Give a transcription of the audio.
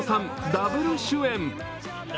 ダブル主演。